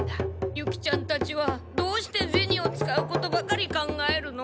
ユキちゃんたちはどうしてゼニを使うことばかり考えるの？